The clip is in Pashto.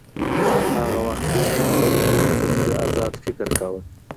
په هغه وخت کي خلګو څنګه ازاد فکر کاوه؟